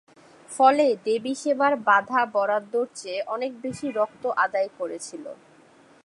ফলে, দেবী সেবার বাঁধা বরাদ্দর চেয়ে অনেক বেশি রক্ত আদায় করেছিল।